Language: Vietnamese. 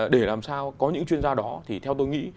để làm sao có những chuyên gia đó thì theo tôi nghĩ